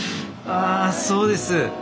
あそうです。